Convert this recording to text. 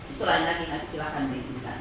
itulah yang tadi tadi silahkan diinginkan